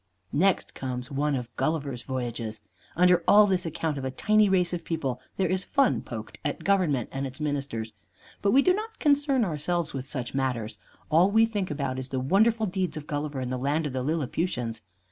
Next comes one of Gulliver's voyages. Under all this account of a tiny race of people there is fun poked at government and its ministers. But we do not concern ourselves with such matters all we think about is the wonderful deeds of Gulliver in the land of the Lilliputians.